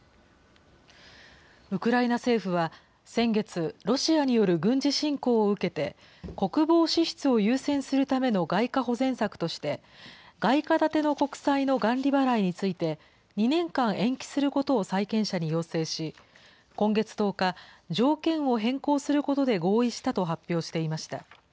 ウクライナ政府は先月、ロシアによる軍事侵攻を受けて、国防支出を優先するための外貨保全策として、外貨建ての国債の元利払いについて、２年間延期することを債権者に要請し、今月１０日、条件を変更することで合意したと発表していました。